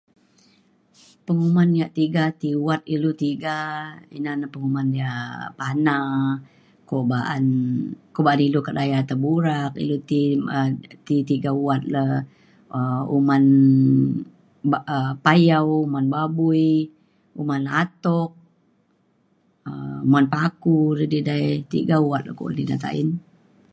penguman' ya tiga ti wat ilu tiga ina na penguman ya' pana ko' ba'an ko' ba'an ilu ke daya na burak ilu ti um ti tiga wat le um uman ba um payau, uman babui, uman atuk um uman paku re didai tiga wat re ku'un di re tain.